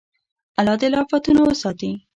الله دې له افتونو وساتي.